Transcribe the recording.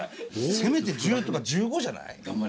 せめて１０とか１５じゃない？